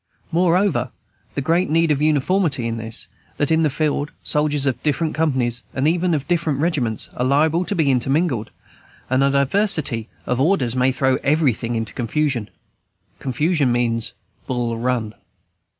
Moreover, the great need of uniformity is this: that, in the field, soldiers of different companies, and even of different regiments, are liable to be intermingled, and a diversity of orders may throw everything into confusion. Confusion means Bull Run.